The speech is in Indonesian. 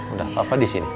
udah papa disini